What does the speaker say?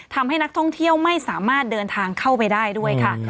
ทำให้นักท่องเที่ยวไม่สามารถเดินทางเข้าไปได้ด้วยค่ะ